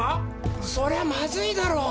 そりゃまずいだろう！